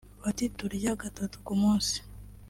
Bati “Turya gatatu ku munsi